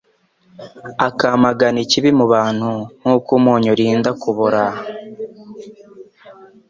akamagana ikibi mu bantu nk'uko umunyu urinda kubora.